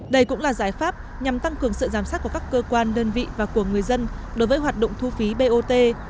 đây cũng là giải pháp nhằm tăng cường sự giám sát của các cơ quan đơn vị và của người dân đối với hoạt động thu phí bot